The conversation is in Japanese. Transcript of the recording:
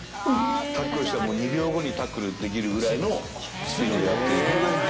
タックルしたらもう２秒後にタックルできるぐらいのスピードでやるって。